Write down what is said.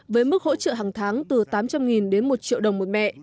với mức hỗ trợ hàng tháng từ tám trăm linh đến một triệu đồng